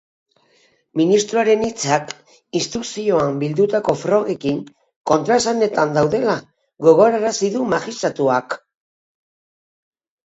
Ministroaren hitzak instrukzioan bildutako frogekin kontraesanetan daudela gogorarazi du magistratuak.